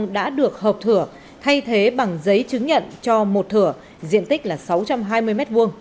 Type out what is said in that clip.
đã được hợp thửa thay thế bằng giấy chứng nhận cho một thửa diện tích là sáu trăm hai mươi m hai